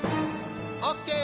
オッケー！